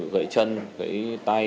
vậy chân vậy tay